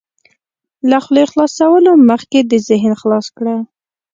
له خولې خلاصولو مخکې دې ذهن خلاص کړه.